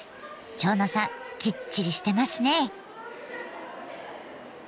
蝶野さんきっちりしてますね。